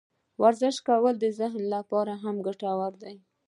ورزش کول د ذهن لپاره هم ګټور دي.